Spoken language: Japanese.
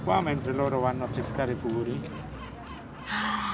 はあ。